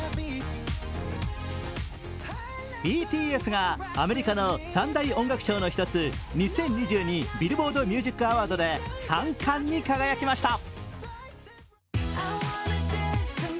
ＢＴＳがアメリカの三大音楽賞の一つ２０２２ビルボード・ミュージック・アワードで３冠に輝きました。